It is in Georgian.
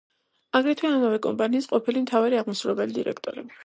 აგრეთვე ამავე კომპანიის ყოფილი მთავარი აღმასრულებელი დირექტორი.